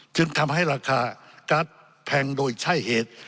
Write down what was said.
จึงทำให้ราคาการ์ดแพงโดยใช่เหตุ